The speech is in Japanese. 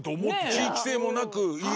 地域性もなく。